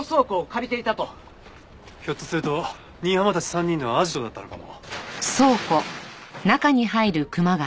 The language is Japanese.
ひょっとすると新浜たち３人のアジトだったのかも。